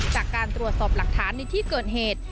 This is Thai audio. จากการตรวจสอบหลักฐานในที่เกิดเหตุ